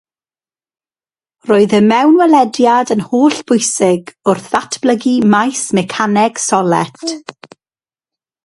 Roedd y mewnwelediad yn hollbwysig wrth ddatblygu maes mecaneg solet.